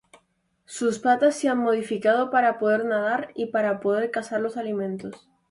Sus patas se han modificado para poder nadar y para poder cazar los alimentos.